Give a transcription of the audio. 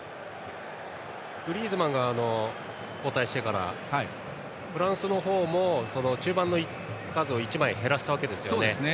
グリーズマンが交代してからフランスのほうも中盤の数を１枚減らしましたよね。